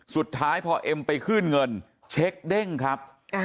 สุดท้ายพอเอ็มไปขึ้นเงินเช็คเด้งครับ